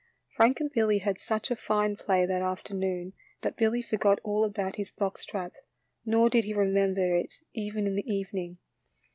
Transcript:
Frank and Billy had such a fine play that afternoon that Billy forgot all about his box trap, nor did he remember it even in the evening.